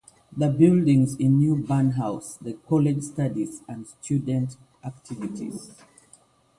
The buildings in New Bern house the college studies and student activities.